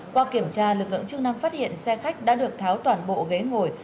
qua kiểm tra lực lượng chương năm phát hiện xe khách đã được tháo toàn bộ ghế ngồi